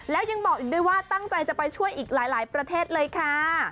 แล้วยังบอกอีกด้วยว่าตั้งใจจะไปช่วยอีกหลายประเทศเลยค่ะ